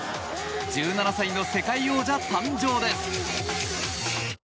１７歳の世界王者誕生です。